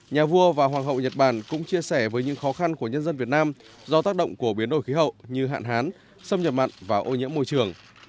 nhà vua và hoàng hậu nhật bản cũng chia sẻ với những khó khăn của nhân dân việt nam do tác động của biến đổi khí hậu như hạn hán xâm nhập mặn và ô nhiễm môi trường